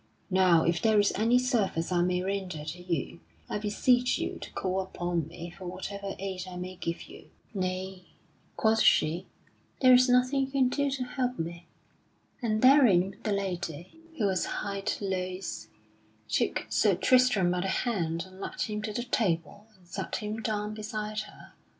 Now if there is any service I may render to you, I beseech you to call upon me for whatever aid I may give you." [Sidenote: Sir Tristram feasts with the chatelaine] "Nay," quoth she, "there is nothing you can do to help me." And therewith the lady, who was hight Loise, took Sir Tristram by the hand and led him to the table and sat him down beside her.